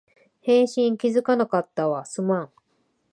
返信気づかなかったわ、すまん